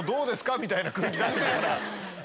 みたいな空気出してるから。